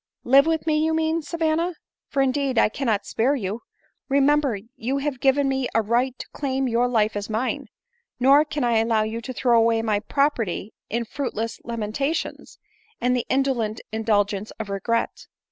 " Live with me, you mean, Savanna ; for indeed, 1 cannot spare you. Remember, you have given me a right to claim your life as mine ; nor can I allow you to throw away my property in fruitless lamentations, and the indolent indulgence of regret.